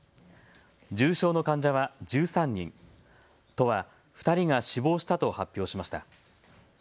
重症の患者は１３人、都は２人が死亡したと発表しました。